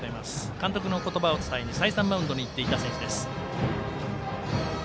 監督の言葉を伝えに再三、マウンドに行っていた選手です。